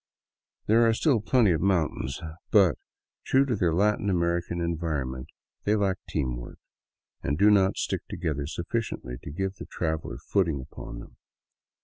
There are still plenty of mountains, but, true to their Latin American environment, they lack team work, and do not stick to gether sufficiently to give the traveler footing upon them.